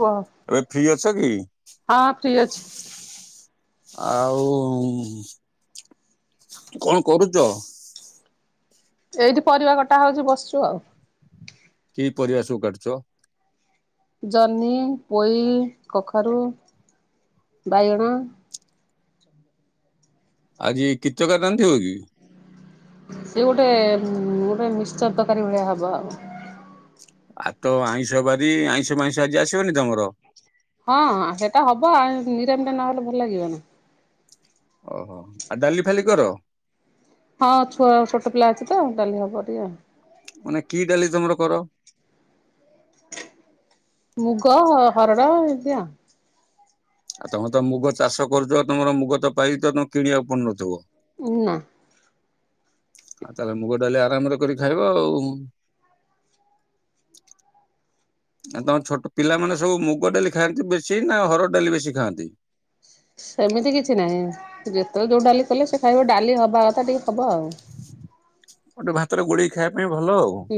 କୁହ ଏବେ ଫ୍ରି ଅଛ କି? ହଁ ଫ୍ରି ଅଛି ଆଉ କଣ କରୁଛ? ଏଇଠି ପରିବା କଟା ହଉଛି ବସିଛୁ ଆଉ। କି ପରିବା ସବୁ କାଟୁଚ? ଜହ୍ନି ପୋଇ କଖାରୁ ବାଇଗଣ। ଆଜି କୀତକାରି ରାନ୍ଧିବ କି? ସେ ଗୋଟେ ଗୋଟେ ମିକ୍ସସର ତରକାରୀ ଭଳିଆ ହବ ଆଉ। ଆଉ ତ ଆଇଁଷ ବାାରି ଆଇଁଷ ମାଇଁଷ ଆଜି ଆସିବନି ତମର? ହଁ ହେଟା ହବ ଆଉ ନିରାମିଟା ନହେଲେ ଭଲ ଲାଗିବ ନା। ଓହୋ ଆ ଡାଲି ଫାଲି କର? ହଁ ଛୁଆ ଛୋଟ ପିଲା ଅଛି ତ ଡାଲି ହବ ଟିକେ ଆଉ। ମାନେ କି ଡାଲି ତମର କର? ହ ମୁଗ ହରଡ଼ ଇନ୍ତି ଆଉ। ଆଉ ତମର ତ ମୁଗ ଚାଷ କରୁଛ ତମର ମୁଗ ତ ପାଇ ତମେ କିଣିବାକୁ ପଡୁନଥିବ? ଉ ନା। ଆଉ ତାହେଲେ ମୁଗ ଡାଲି ଆରାମରେ କରି ଖାଇବ ଆଉ। ଆ ତମ ଛୋଟ ପିଲାମାନେ ସବୁ ମୁଗ ଡାଲି ଖାଆନ୍ତି ବେଶୀ ନା ହରଡ଼ ଡାଲି ବେଶୀ ଖାଆନ୍ତି? ସେମିତି କିଛି ନାଇଁ ଯେତେବେଳେ ଯୋଉ ଡାଲି କଲେ ସେ ଖାଇବେ ଡାଲି ହବା କଥା ଟିକେ ହବ ଆଉ। ଗୋଟେ ଭାତରେ ଗୋଳେଇ ଖାଇବା ପାଇଁ ଭଲ ଆଉ। ହୁଁ।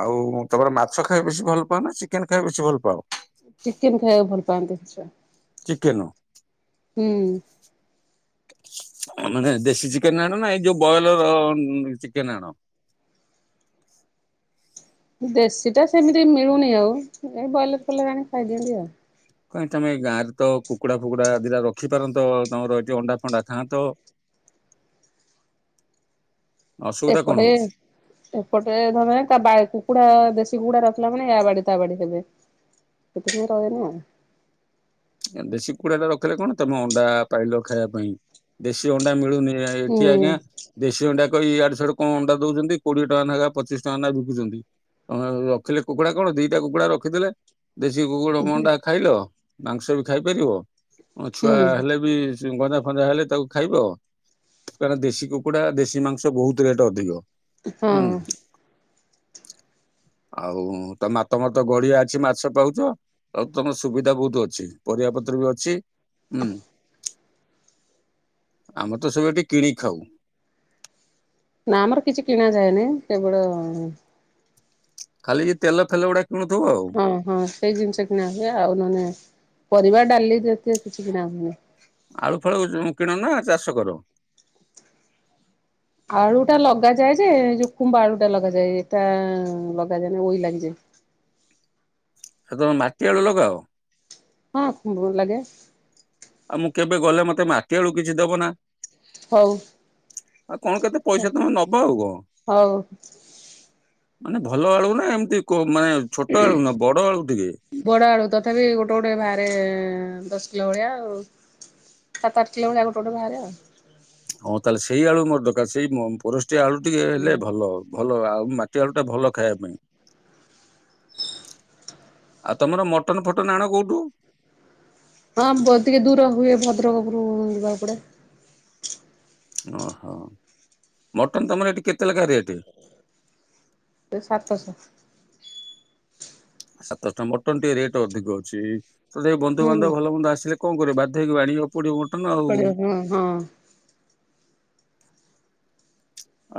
ଆଉ ତମର ମାଛ ଖାଇବା ବେଶୀ ଭଲ ପାଅନା ଚିକେନ ଖାଇ ବେଶୀ ଭଲ ପାଅ? ଚିକେନ ଖାଇବାକୁ ଭଲ ପାଆନ୍ତି ଛୁଆ। ଚିକେନ। ହୁଁ। ମାନେ ଦେଶୀ ଚିକେନ ଆଣ ନା ଏଇ ଯୋଉ ବଏଲର ଚିକେନ ଆଣ? ଦେଶୀ ଟା ସେମିତି ମିଳୁନି ଆଉ ଏଇ ବଏଲର ଫଏଲରେ ଆଣିିକି ଖାଇଦିଅନ୍ତି ଆଉ। କାହିଁ ତମେ ଗାଁରେ କୁକୁଡ଼ା ଫୁକୁଡା ଦିଟା ରଖିପାରନ୍ତ ତମର ହେଠି ଅଣ୍ଡା ଫଣ୍ଡା ଖାଆନ୍ତ। ଅସୁବିଧା କଣ ଏପଡେ ହଉଛି ଏପଟେ ଧର ତା କୁକୁଡା ଦେଶୀ କୁକୁଡା ରଖିଲା ମାନେ ୟା ବାଡି ତା ବାଡି ହେବେ। ସେଥିପାଇଁ ରହେନି ଆଉ। ଦେଶୀ କୁକୁଡା ଟା ରଖିଲେ କଣ ତମେ ଅଣ୍ଡା ପାଇଲ ଖାଇବା ପାଇଁ ଦେଶୀ ଅଣ୍ଡା ମିଳୁନି ହୁଁ ହେଠି ଆଜ୍ଞା ଦେଶୀ ଅଣ୍ଡା କଇ ଇଆଡୁ ସିଆଡୁ କଣ ଅଣ୍ଡା ଦଉଛନ୍ତି କୋଡିଏ ଟଙ୍କା ନାଖା ପଚିଶ ଟଙ୍କା ନାଁ ବିକୁଛନ୍ତି। ହ ରଖିଲେ କୁକୁଡା କଣ ଦିଟା କୁକୁଡା ରଖିଥିଲେ ଦେଶୀ କୁକୁର ଅଣ୍ଡା ଖାଇଲ ମାଂସ ବି ଖାଇପାରିବ ହୁଁ ଛୁଆ ହେଲେ ବି ଗଞ୍ଜା ଫଞ୍ଜା ହେଲେ ତାକୁ ଖାଇବ କାରଣ ଦେଶୀ କୁକୁଡା ଦେଶୀ ମାଂସ ବହୁତ ରେଟ ଅଧିକ। ହଁ। ହୁଁ। ଆଉ ତ ମାତମାତ ଗଡିଆ ଅଛି ମାଛ ପାଉଛ ଆଉ ତମର ସୁବିଧା ବହୁତ ଅ ଛି ପରିବା ପତ୍ର ବି ଅଛି ଉଁ। ଆମର ତ ସବୁ ଏଠି କିଣିକି ଖାଉ। ନା ଆମର କିଛି କିଣା ଯାଏନି କେବଳ ଖାଲି ଏ ତେଲ ଫେଲ ଗୁଡା କିୁଣୁଥିବ ଆଉ। ହଁ ହଁ ସେଇ ଜିନିଷ କିଣା ହୁଏ ଆଉ ନହେନେ ପରିବା ଡାଲି ଜାତିୟ କିଛି କିଣା ହୁଏନି। ଆଳୁ ଫାଳୁ କିଣ ନା ଚାଷ କର? ଆଳୁ ଟା ଲଗାଯାଏ ଯେ ଜଉ ଖୁମ୍ବ ଆଳୁଟା ଲଗାଯାଏ ଏଟା ଲଗାଯାଏନି ଇଇ ଲାଗିଯାଏ। ହେ ତମେ ମାଟି ଆଳୁ ଲଗାଅ? ହଁ [inaudible] ଲାଗେ। ଆଉ ମୁଁ କେବେ ଗଲେ ମତେ ମାଟି ଆଳୁ କିଛି ଦବ ନା? ହଉ। ଆଉ କଣ କେତେ ପଇସା ତମେ ନବା ଆଉ କଣ। ହଉ। ମାନେ ଭଲ ଆଳୁ ନା ଏମତି କ ମାନେ ଛୋଟ ଆଳୁ ନା ବଡ ଆଳୁ ଟିକେ। ବଡ ଆଳୁ ତଥାପି ଗୋଟେ ଗୋଟେ ବାହାରେ ଦଶ କିଲୋ ଭଳିଆ ଆଉ ସାତ ଆଠ କିଲୋ ଭଳିଆ ଗୋଟେ ଗୋଟେ ବାହାରେ ଆଉ ହଁ ତାହେଲେ ସେଇ ଆଳୁ ମୋର ଦରକାର ସେଇ ପୋରଷ୍ଟିଆ ଆଳୁ ଟିକେ ହୁଁ। ହେଲେ ଭଲ ଆଉ। ଭଲ ଆଉ ମାଟିଆଳୁ ଟା ଭଲ ଖାଇବା ପାଇଁ। ଆଉ ତମର ମଟନ ଫଟନ ଆଣ କୋଉଠୁ। ହଁ ବ ଟିକେ ଦୂର ହୁଏ ଭଦ୍ରକରୁ ଯିବାକୁ ପଡେ। ଓହୋ ମଟନ୍ ତମର ଏଠି କେତେ ଲେଖା ରେଟ୍। ଏ ସାତଶ। ସାତଶହ ଟଙ୍କା ମଟନ ଟିକେ ରେଟ୍ ଅଧିକ ଅଛି ତ ସେ ହୁଁ ବନ୍ଧୁବାନ୍ଧବ ଭଲ ବନ୍ଦ ଆସିଲେ କଣ କର ବାଧ ହେଇକି ଆଣିିବାକୁ ପଡିବ ମ [unintelligible] ହଁ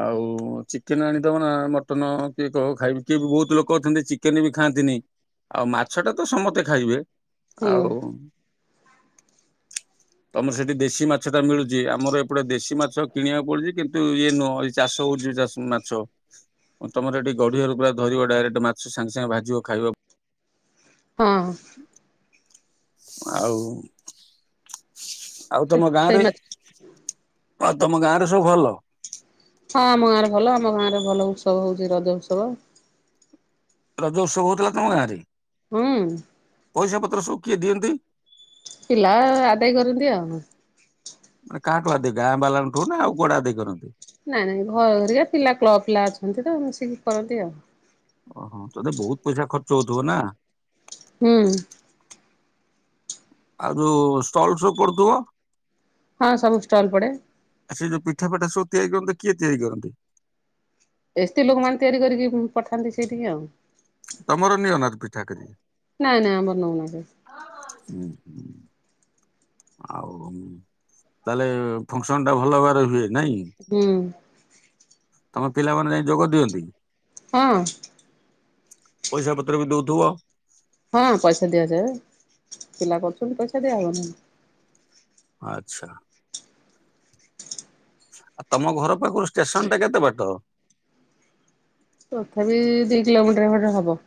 ଆଉ ଚିକେନ ଆଣିଦବ ନା ମଟନ କିଏ କ ଖାଇବି କିଏ ବି ବହୁତ ଲୋକ ଅଛନ୍ତି ଚି କେନି ବି ଖାଆନ୍ତିନି ଆଉ ମାଛ ଟା ତ ସମସ୍ତେ ଖାଇବେ ହୁଁ ଆଉ [inaudible] ତମର ସେଠି ଦେଶୀ ମାଛ ଟା ମିଳୁଛି ଆମର ଏପଟେ ଦେଶୀ ମାଛ କିଣିବାକୁ ପଡୁଛି କିନ୍ତୁ ଇଏ ନୁହଁ। ଚାଷ ହଉଛି ଚାଷ ମାଛ ତମର ଏଠି ଗଢିଆ ର ପୁରା ଧରିବ ଡାଇରେକ୍ଟ ମାଛ ସାଙ୍ଗେ ସାଙ୍ଗେ ଭାଜିବ ଖାଇବ। ହଁ। ଆଉ ଆଉ ତମ ସେଇ ଗାଁରେ ମାଛ। ହଁ ତମ ଗାଁ ରେ ସବୁ ଭଲ। ହଁ ଆମ ଗାଁରେ ଭଲ ଆମ ଗାଁ ରେ ଭଲ ଉତ୍ସବ ହଉଛି ରଜ ଉତ୍ସବ। ରଜୋଉତ୍ସବ ହଉଥିଲା ତମ ଗାଁରେ ହୁଁ ପଇସା ପତ୍ର ଶଉ କିଏ ଦିଅନ୍ତି। ପିଲା ଆଦାୟ କରନ୍ତି ଆଉ। ମାନେ କାହାଠୁ ଆଦେଇ ଗାଁ ବାଲାଙ୍କଠୁ ନା ଆଉ କୁଆଡୁ ଆଦାୟ କରନ୍ତି। ନାଇଁ ନାଇଁ ଘରରିକ ପିଲା କ୍ଲବ ପିଲା ଅଛନ୍ତି ତ ସେ କରନ୍ତି ଆଉ। ଓହୋ ତତେ ବହୁତ ପଇସା ଖର୍ଚ୍ଚ ହଉଥିବ ନା। ହୁଁ। ଆଉ ଯୋଉ ଷ୍ଟଲ ସୋଉ ପଡୁଥିବ। ହଁ ସବୁ ଷ୍ଟଲ୍ ପଡେ। ଆ ସେ ଯୋଉ ପିଠା ଫିଟା ସବୁ ତିଆରି କରନ୍ତି କିଏ ତିଆରି କରନ୍ତି। ଏସ୍ତେ ଲୋକମାନେ ତିଆରି କରିକି ପଠାନ୍ତି ସେଇଠିକି ଆଉ। ତମର ନିଅନାଥ ପିଠା କରି ନାଇଁ ନାଇଁ ଆମର ନଉନା କେଭେ। ହୁଁ ହୁଁ। ଆଉ ତାହେଲେ ଫଙ୍କସନ ଟା ଭଲ ଭାବରେ ହୁଏ ନାଇଁ। ହୁଁ। ତମେ ପିଲାମାନେ ଯାଇ ଯୋଗ ଦିଅନ୍ତି। ହଁ ପଇସା ପତ୍ର ବି ଦଉଥିବ। ହଁ ପଇସା ଦିଆଯାଏ ପିଲା କରୁଛନ୍ତି ପଇସା ଦିଆହେବନହିଁ। ଆଚ୍ଛା। ଆଉ ତମ ଘର ପାଖରୁ ଷ୍ଟେସନ ଟା କେତେ ବାଟ? ତଥାପି ଦି କିଲୋମିଟର ଖଣ୍ଡେ ହବ।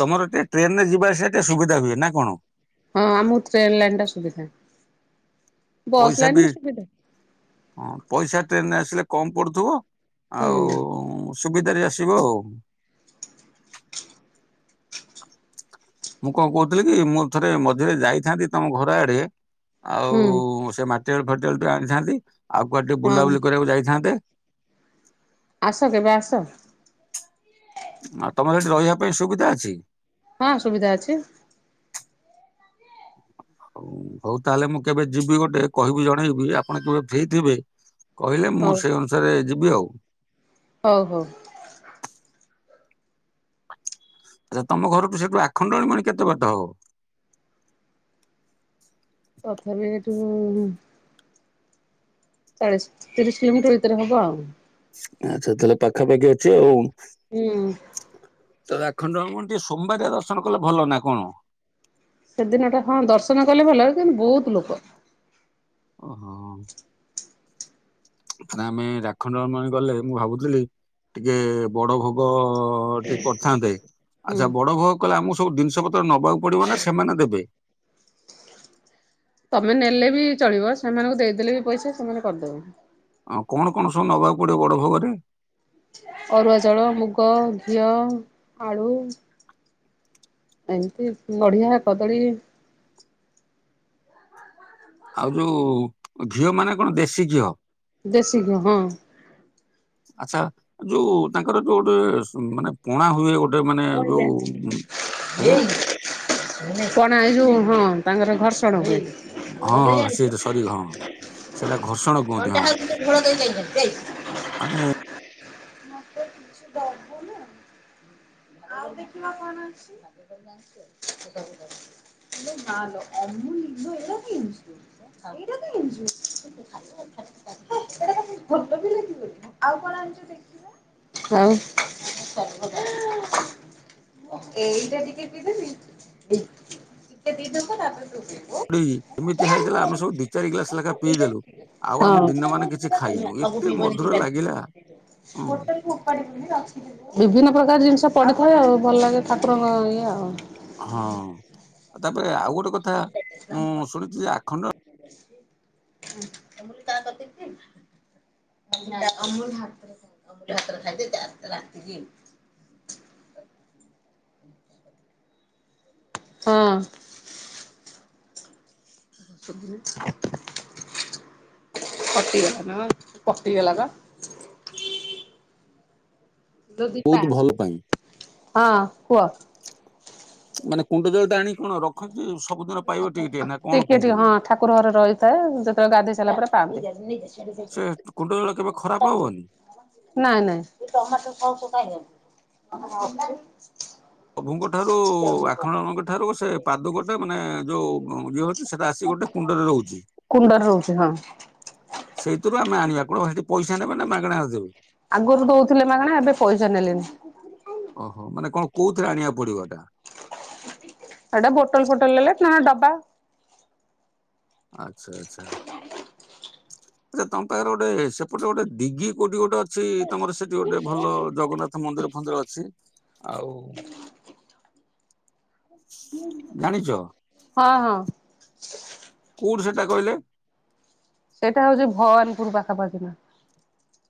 ତମର ଟିକେ ଟ୍ରେନ ରେ ଯିବା ଆ ସେ ଟିକେ ସୁବିଧା ହୁଏ ନା କଣ? ହଁ ଆମକୁ ଟ୍ରେନ୍ ଲାଇନ୍ ଟା ସୁବିଧା। ବସ୍ ପଇସା ଲାଇନ ବି ସୁବିଧା ହଁ ପଇସା ଟ୍ରେନରେ ଆସିଲେ କମ ପଡୁଥିବ। ହୁଁ ଆଉ ସୁବିଧାରେ ଆସିବ ଆଉ। ମୁଁ କଣ କହୁଥିଲି କି ମୁଁ ଥରେ ମଝିରେ ଯାଇଥାନ୍ତି ତମ ଘର ଆଡେ ହୁଁ ଆଉ ସେ ମାଟି ମାଟି ଆଳୁ ଫାଟି ଆଳୁ ଟିକେ ଆଣିଥାନ୍ତି ଆଉ କୁଆଡେ ଟିକେ ହଁ ବୁଲାବୁଲି କରିବାକୁ ଯାଇଥାନ୍ତେ। ଆସ କେବେ ଆସ। ଆଉ ତମର ସେଠି ରହିବା ପାଇଁ ସୁବିଧା ଅଛି? ହଁ ସୁବିଧା ଅଛି। ହଉ ତାହେଲେ ମୁଁ କେବେ ଯିବି ଗୋଟେ କହିବି ଜଣେଇବି ଆପଣ କେବେ ଫ୍ରି ଥିବେ। କହିଲେ ମୁଁ ହଉ ସେଇ ଅନୁସାରେ ଯିବି ଆଉ। ହଉ ହଉ। ଆଚ୍ଛା ତମ ଘରଠୁ ସେଠୁ ଆଖଣ୍ଡଣୀ ମଣି କେତେ ବାଟ ହବ? ତଥାପି ଏଠୁ ଚାଳିଶ ତିରିଶ କିଲୋମିଟର ଭିତରେ ହବ ଆଉ। ଆଚ୍ଛା ତାହେଲେ ପାଖାପାଖି ଅଛି ଆଉ। ହୁଁ। ତ ଆଖଣ୍ଡଣି ଟିକେ ସୋମବାରିୟା ଦର୍ଶନ କଲେ ଭଲ ନା କଣ? ସେଦିନଟା ହଁ ଦର୍ଶନ କଲେ ଭଲ କିନ୍ତୁ ବୋହୁତ୍ ଲୋକ। ଓହୋ। ମ ଆମେ ଆଖଣ୍ଡଳମଣି ଗଲେ ମୁଁ ଭାବୁଥିଲି ଟିକେ ବଡ ଭୋଗ ହ ଟିକେ କରିଥାନ୍ତେ ହୁଁ ଆଚ୍ଛା ବଡ କଲେ ଆମକୁ ସବୁ ଜିନିଷ ପତ୍ର ନବାକୁ ପଡିବ ନା ସେମାନେ ଦେବେ? ତମେ ନେଲେ ବି ଚଳିବ ସେମାନଙ୍କୁ ଦେଇଦେଲେ ବି ପଇସା ସେମାନେ କରିଦବ। ହଁ କଣ କଣ ସବୁ ନବାକୁ ପଡିବ ବଡ ଭୋଗରେ? ଅରୁଆ ଚାଉଳ, ମୁଗ ଘିଅ ଆଳୁ। ଏମତି ନଢିଆ କଦଳୀ ଆଉ ଯୋଉ ଘିଅ ମାନେ କଣ ଦେଶୀ ଘିଅ? ଦେଶୀ ଘିଅ ହଁ। ଆଚ୍ଛା ଯୋଉ ତାଙ୍କର ଯୋଉ ଗୋଟେ ମାନେ ପଣା ହୁଏ ଗୋଟେ ଗୋଟେ ମାନେ ଯୋଉ ଆଜ୍ଞା। କଣା ଏ ଯୋଉ ହଁ ତାଙ୍କର ଘର୍ଷଣ ହୁଏ। ହଁ ହଁ ସେଟ ସରି ହଁ ସେଇଟା ଘର୍ଷଣ କୁହନ୍ତି ହଁ। ମାନେ ମତେ କିଛି ଦବୁନି। [unintelligible] [unintelligible] [unintelligible] ଆଉ ଏଇଟା ଟିକେ ପିଇଦେବି ଟିକେ ପିଦବ ତାପରେ ଏମିତି ହେଇଥିଲା ଆମେ ସବୁ ଦି ଚାର ଗଲାସ ଲେଖା ପିଇଦଲୁ। ଆଉ ଆମେ ଦିନ ମାନେ କିଛି ଖାଇନୁ ହଁ। ଏତେ ମଧୁର ଲାଗିଲା। ହଁ ହଁ। ଗୋଟେ [unintelligible] ବିଭିନ୍ନ ପ୍ରକାର ଜିନିଷ ପଡିଥାଏ ଆଉ ଭଲ ଲାଗେ ଠାକୁରଙ୍କ ଇଏ ଆଉ। ହଁ ତାପରେ ଆଉ ଗୋଟେ କଥା ମୁଁ ଶୁଣିଚି ଯେ ଆଖଣ୍ଡ ତା କତିକି [inaudible] ହଁ ତା ସବଦିନ କଟିଗଲା ନା କଟିଗଲା ପା। ଲୋ ବହୁତ ଦୀପା ଭଲ ପାଇଁ ହଁ କୁହ ମାନେ କୁଣ୍ଡ ଜଳ ଟା ଆଣି କଣ ରଖିଚି ସବୁଦିନ ପାଇବ ଟିକେ ଟିକେ ନା କଣ କେମିତି ହୁଏ? କୁରହରେ ରହିଥାଏ ଯେତେବେଳେ ଗାଧୋଇ ସାରିଲା ପରେ ପାଆନ୍ତି। ସେ କୁଣ୍ଡ ଜଳ କେବେ ଖରାପ ହବନି? ନାଇଁ ନାଇଁ ଟମାଟର [unintelligible] ପ୍ରଭୁଙ୍କ ଠାରୁ ଆଖଣ୍ଡଳମଣି ଠାରୁ ସେ ପାଦୁକ ମାନେ ଯୋଉ ଇଏ ହଉଛି ସେଇଟା ଆସିକି ଗୋଟେ କୁଣ୍ଡରେ ରହୁଚି। ପା କୁଣ୍ଡରେ ରହୁଚି ହଁ। ସେଇଥିରୁ ଆମେ ଆଣିବା। କଣ ସେଠି ପଇସା ନେବେ ନା ମାଗଣାରେ ଦେବେ? ଆଗରୁ ଦଉଥିଲେ ମାଗଣା ଏବେ ପଇସା ନେଲେଣି। ଓହୋ ମାନେ କଣ କୋଉଥିରେ ଆଣିବାକୁ ପଡିବ ଏଟା? ଏଟା ବୋଟଲ ଫୋଟଲ ନଲେ ପ୍ଲାନ ଡବା। ଆଚ୍ଛା ଆଚ୍ଛା ଆଚ୍ଛା ତମପାଖରେ ଗୋଟେ ସେପଟେ ଗୋଟେ ଦିଗି କଉଠି ଗୋଟେ ଅଛି ତମର ସେଠି ଗୋଟେ ଭଲ ଜଗନ୍ନା ତ ମନ୍ଦିର ଫନ୍ଦିର ଅଛି ଆଉ ହୁଁ ଜାଣିଛ ହଁ ହଁ କୋଉଠି ସେଟା କହିଲେ? ସେଇଟା ହଉଚି ଭଅରିପୁର ପାଖାପାଖି ନା।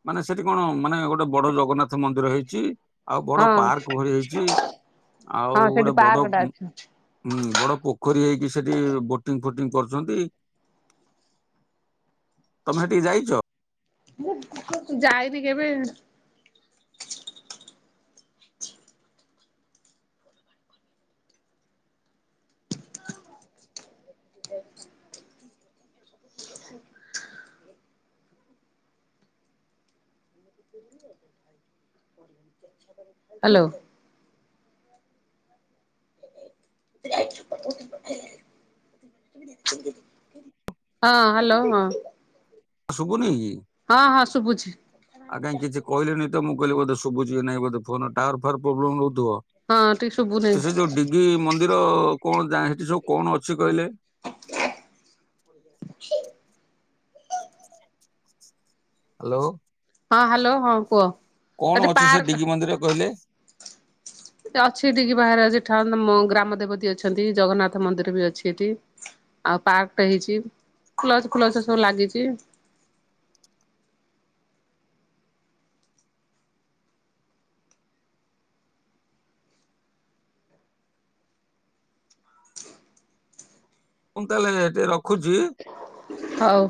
ମାନେ ସେଠି କଣ ମାନେ ଗୋଟେ ବଡ ଜଗନ୍ନାଥ ମନ୍ଦିର ହେଇଚି। ଆଉ ବଡ ହଁ ପାର୍କ ଭଳି ହେଇଚି, ଆଉ ହଁ ସେଠି ଗୋଟେ ବଡ ପାର୍କ ଟା ଅଛି ହୁଁ ବଡ ପୋଖରୀ ହେଇକି ସେଠି ବୋଟିଂ ଫୋଟିଂ କରୁଛନ୍ତି। ତମେ ହେଠିକ ଯାଇଚ। [inaudible] ଯାଇନି କେବେ? ହ୍ୟାଲୋ ହଁ ହ୍ୟାଲୋ ହଁ। ଶୁଭୁନି କି? ହଁ ହଁ ଶୁଭୁଚି। ଆଉ କାଇଁ କିଛି କହିଲି ତ ମୁଁ କହିଲି ବୋଧେ ଶୁଭୁଚି ନାଇଁ ବୋଧେ ଫୋନ ଟୱାର ଫୱେର ପ୍ରୋବ୍ଲେମ ହଁ ଟିକେ ଶୁଭୁନି ହଉଥିବ ସେ ଯୋଉ ଡି କି ମନ୍ଦିର କଣ ଯା ସେଠି ସବୁ କଣ ଅଛି କହିଲେ? ହ୍ୟାଲୋ ହଁ ହ୍ୟାଲୋ ହଁ କୁହ? କଣ ସେଠି ଅଛି ସେ ପାର୍କ ଡିଗି ମନ୍ଦିର କହିଲେ? [inaudible] ଆଉ ପାର୍କଟେ ହେଇଚି [unintelligible] ସବୁ ଲାଗିଚି। ମୁଁ ତାହେଲେ ଏଠେ ରଖୁଚି। ହଉ।